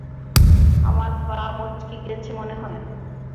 আমার পা মচকে গেছে মনে হয়।